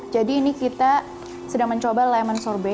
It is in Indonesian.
jadi ini kita sedang mencoba lemon sorbet